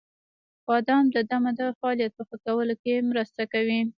• بادام د دمه د فعالیت په ښه کولو کې مرسته کوي.